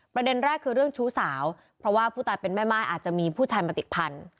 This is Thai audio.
ประเด็นแรกคือเรื่องชู้สาวเพราะว่าผู้ตายเป็นแม่ม่ายอาจจะมีผู้ชายมาติดพันธ